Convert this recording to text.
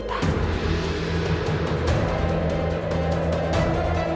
untuk membantu narita